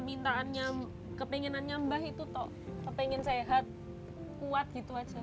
mintaannya kepinginannya mbah itu kepingin sehat kuat gitu aja